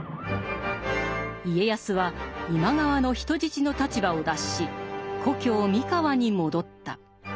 家康は今川の人質の立場を脱し故郷三河に戻った。